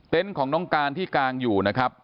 เต็นต์ของน้องการที่กลางอยู่นะครับ